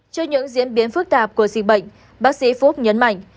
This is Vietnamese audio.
trước những diễn biến phức tạp của dịch bệnh bác sĩ phúc nhấn mạnh